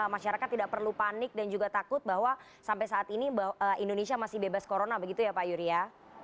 masyarakat tidak perlu panik dan juga takut bahwa sampai saat ini indonesia masih bebas corona begitu ya pak yuri ya